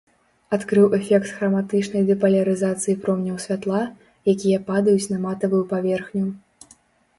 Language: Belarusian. Адкрыў эфект храматычнай дэпалярызацыі промняў святла, якія падаюць на матавую паверхню.